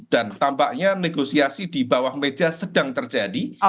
dan tampaknya negosiasi di bawah meja sedang terjadi